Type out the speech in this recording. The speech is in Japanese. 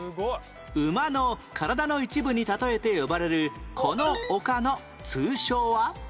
馬の体の一部に例えて呼ばれるこの丘の通称は？